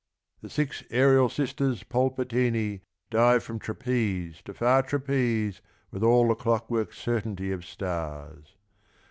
The Six Aerial Sisters Polpctini Dive from trapeze to far trapeze With all the clockwork certainty of stars.